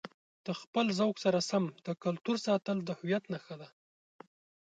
د خپلې ذوق سره سم د کلتور ساتل د هویت نښه ده.